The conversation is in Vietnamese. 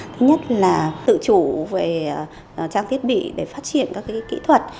thứ nhất là tự chủ về trang thiết bị để phát triển các kỹ thuật